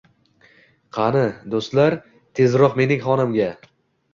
Qani, do’stlar, tezroq mening xonamga